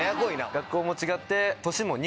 学校も違って。